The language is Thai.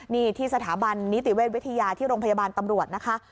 นี่ที่สถาบันนิติเวชวิทยาที่โรงพยาบาลตำรวจนะคะ